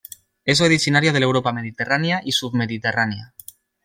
És originària de l'Europa mediterrània i submediterrània.